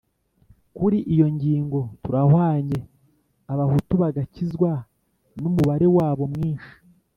kuri iyo ngingo turahwanye, abahutu bagakizwa n’umubare wabo mwinshi,